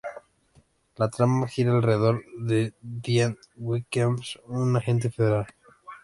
La trama gira alrededor de Dylan Wilkins, un agente federal.